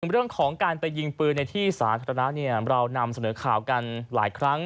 เรื่องของการไปยิงปืนในที่สาธารณะเรานำเสนอข่าวกันหลายครั้ง